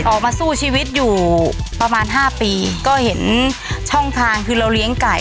ออกมาสู้ชีวิตอยู่ประมาณห้าปีก็เห็นช่องทางคือเราเลี้ยงไก่